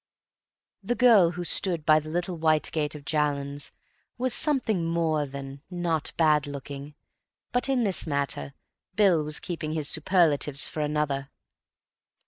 The girl who stood by the little white gate of Jallands was something more than "not bad looking," but in this matter Bill was keeping his superlatives for another.